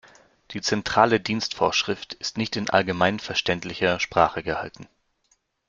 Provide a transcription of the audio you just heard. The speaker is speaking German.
Die Zentrale Dienstvorschrift ist nicht in allgemeinverständlicher Sprache gehalten.